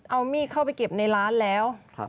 เอามีดเข้าไปเก็บในร้านแล้ว